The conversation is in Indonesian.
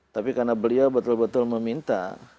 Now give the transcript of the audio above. tapi karena beliau betul betul meminta